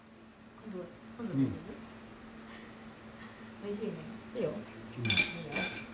おいしいね。